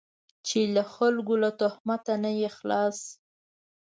چې له خلکو له تهمته نه یې خلاص.